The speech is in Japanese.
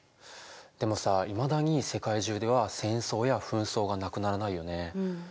でもさいまだに世界中では戦争や紛争がなくならないよね。